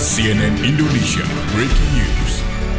sian indonesia breaking news